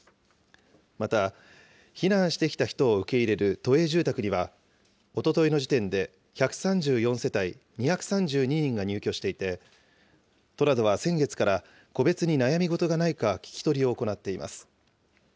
また、避難してきた人を受け入れる都営住宅には、おとといの時点で１３４世帯２３２人が入居していて、都などは先月から、個別に悩みごとがないか聞き取りを行っています。